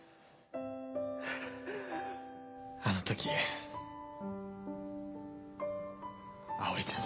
あの時葵ちゃん